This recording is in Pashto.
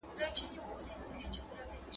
خبر دي راووړ د حریفانو ,